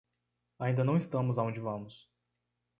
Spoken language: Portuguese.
Ainda não estamos aonde vamos.